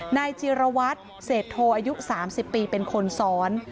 นายจิรวัตรเศษโทอายุ๓๐ปีเป็นคนซ้อน